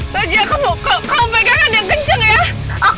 tegia kamu pegangan yang kencang ya